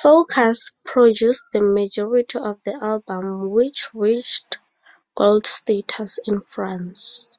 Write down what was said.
Focus produced the majority of the album which reached Gold status in France.